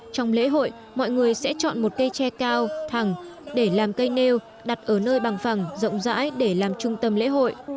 trong lễ hội mọi người sẽ chọn một cây tre cao thẳng để làm cây nêu đặt ở nơi bằng phẳng rộng rãi để làm trung tâm lễ hội